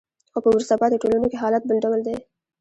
خو په وروسته پاتې ټولنو کې حالت بل ډول دی.